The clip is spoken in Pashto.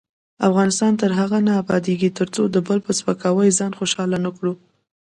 افغانستان تر هغو نه ابادیږي، ترڅو د بل په سپکاوي ځان خوشحاله نکړو.